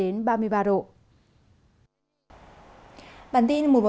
riêng thành phố đà lạt thời tiết khá thích hợp